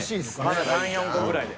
まだ３４個ぐらいで。